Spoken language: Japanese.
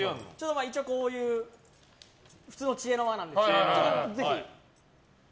一応、こういう普通の知恵の輪なんですけど。